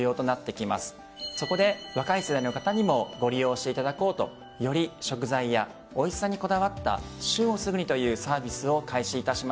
そこで若い世代の方にもご利用していただこうとより食材やおいしさにこだわった「旬をすぐに」というサービスを開始いたしました。